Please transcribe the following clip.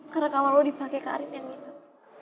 karena kamar lo dipake karin yang minum